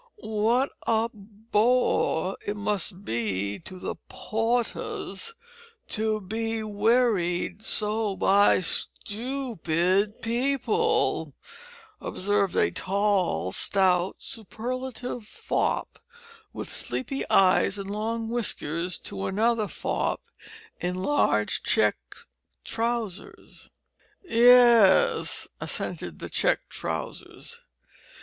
"What a bo ar it must be to the poatas to b' wearied so by stoopid people," observed a tall, stout, superlative fop with sleepy eyes and long whiskers to another fop in large check trousers. "Ya as," assented the checked trousers.